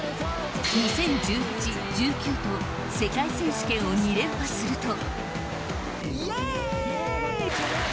２０１８、１９と世界選手権を２連覇すると。